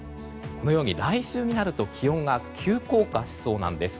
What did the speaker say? このように来週になると気温が急降下しそうなんです。